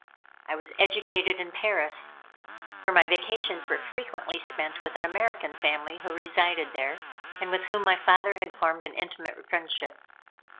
I was educated in Paris, where my vacations were frequently spent with an American family who resided there, and with whom my father had formed an intimate friendship.